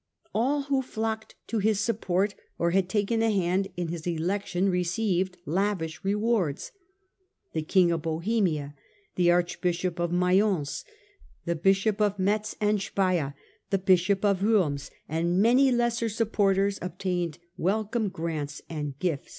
All who flocked to his support or had taken a hand in his election received lavish rewards. The King of Bohemia, the Archbishop of Mayence, the Bishop of Metz and Spires, the Bishop of Worms, and many lesser supporters obtained welcome grants and gifts.